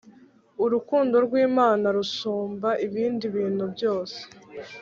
Urukundo rwImana rusumba ibindi bintu byose